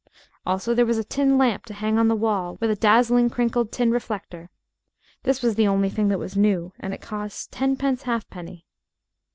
Also there was a tin lamp to hang on the wall with a dazzling crinkled tin reflector. This was the only thing that was new, and it cost tenpence halfpenny.